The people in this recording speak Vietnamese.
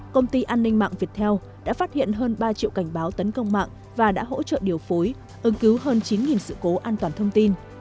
công ty an ninh mạng viettel đã phát hiện hơn ba triệu cảnh báo tấn công mạng và đã hỗ trợ điều phối ứng cứu hơn chín sự cố an toàn thông tin